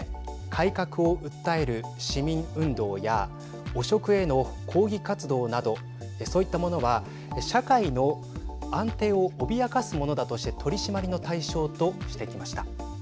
改革を訴える市民運動や汚職への抗議活動などそういったものは社会の安定を脅かすものだとして取締りの対象としてきました。